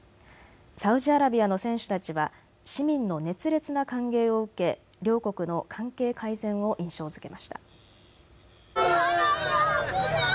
サウジアラビアの選手たちは市民の熱烈な歓迎を受け両国の関係改善を印象づけました。